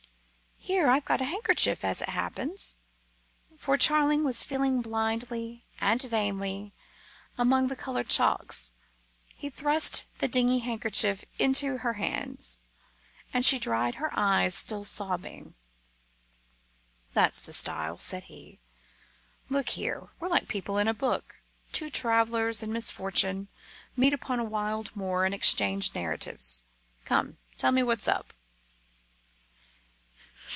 Here, I've got a handkerchief, as it happens," for Charling was feeling blindly and vainly among the coloured chalks. He thrust the dingy handkerchief into her hands, and she dried her eyes, still sobbing. "That's the style," said he. "Look here, we're like people in a book. Two travellers in misfortune meet upon a wild moor and exchange narratives. Come, tell me what's up?"